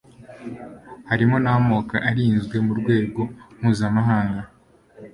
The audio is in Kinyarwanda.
harimo n'amoko arinzwe mu rwego mpuzamahanga